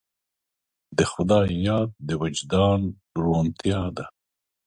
د خدای یاد د وجدان روڼتیا ده.